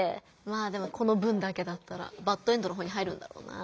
まあでもこの文だけだったらバッドエンドの方に入るんだろうな。